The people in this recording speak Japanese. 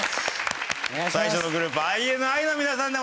最初のグループＩＮＩの皆さんでございます。